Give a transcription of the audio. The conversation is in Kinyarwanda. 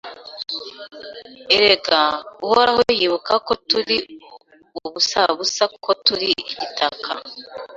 Erega, Uhoraho yibuka ko turi ubusabusa, ko turi igitaka…